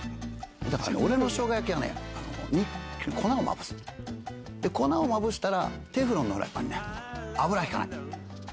だから俺の生姜焼きはね粉をまぶすので粉をまぶしたらテフロンのフライパンにね。